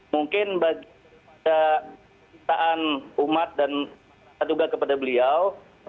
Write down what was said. mungkin bagi kisah umat dan juga kepada beliau